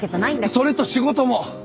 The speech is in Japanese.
それと仕事も。